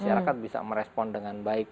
masyarakat bisa merespon dengan baik